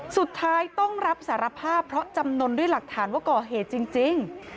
สุดท้ายต้องรับสารภาพเพราะจำนวนด้วยหลักฐานว่าก่อเหตุจริง